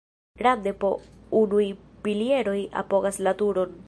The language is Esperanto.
Rande po unuj pilieroj apogas la turon.